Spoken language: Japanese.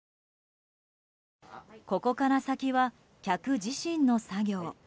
ここから先は客自身の作業。